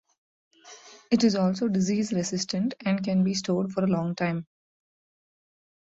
It is also disease resistant and can be stored for a long time.